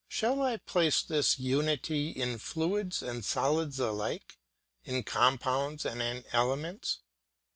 Shall I place this unity in fluids and solids alike, in compounds and in elements?